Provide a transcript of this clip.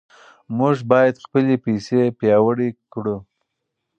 موږ باید خپلې پیسې پیاوړې کړو.